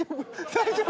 大丈夫？